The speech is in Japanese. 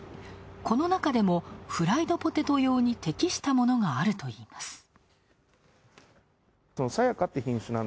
この中でもフライドポテト用に適したものがあるといいます。